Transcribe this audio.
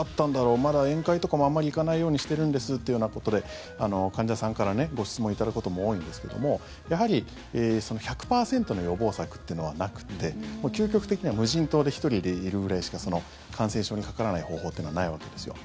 まだ宴会とかも、あまり行かないようにしてるんですというようなことで患者さんからご質問を頂くことも多いんですけどもやはり、１００％の予防策というのはなくて究極的には無人島で１人でいるぐらいしか感染症にかからない方法というのはないわけですよ。